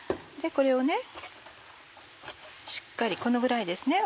これをしっかりこのぐらいです。